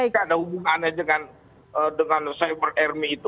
karena hubungannya dengan cyber army itu